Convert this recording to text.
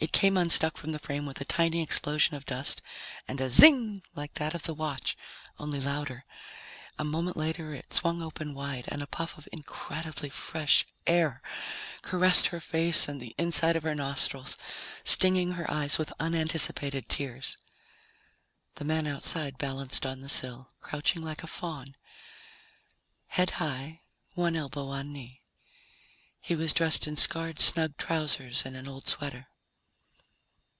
It came unstuck from the frame with a tiny explosion of dust and a zing like that of the watch, only louder. A moment later it swung open wide and a puff of incredibly fresh air caressed her face and the inside of her nostrils, stinging her eyes with unanticipated tears. The man outside balanced on the sill, crouching like a faun, head high, one elbow on knee. He was dressed in scarred, snug trousers and an old sweater.